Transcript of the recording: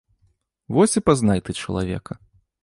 Вось і пазнай ты чалавека.